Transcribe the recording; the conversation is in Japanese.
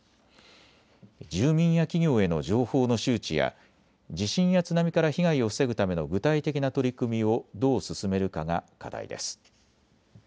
住民や企業への情報の周知や地震や津波から被害を防ぐための具体的な取り組みをどう進めるかが課題です。